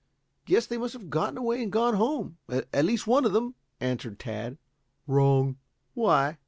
"Guess they must have gotten away and gone home at least one of them," answered Tad. "Wrong." "Why?"